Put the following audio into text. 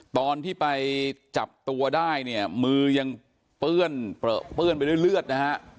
ตอนที่ไปจับตัวได้เนี่ยมือยังเปื้อนเปลือเปื้อนไปด้วยเลือดนะฮะ